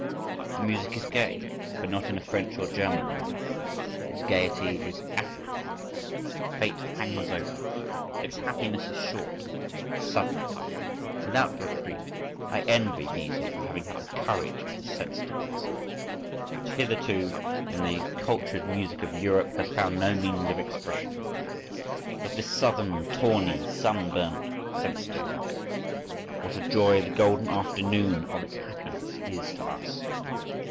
This music is gay, but not in a French or German way. Its gaiety is African; fate hangs over it, its happiness is short, sudden, without reprieve. I envy Bizet for having had the courage of this sensitiveness, which hitherto in the cultured music of Europe has found no means of expression,—of this southern, tawny, sunburnt sensitiveness.… What a joy the golden afternoon of its happiness is to us!